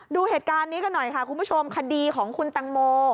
ดูเหตุการณ์นี้กันหน่อยค่ะคุณผู้ชมคดีของคุณตังโม